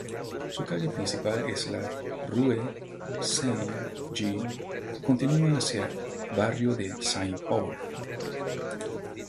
Su calle principal es la rue Saint-Jean, que continúa hacia barrio de Saint-Paul.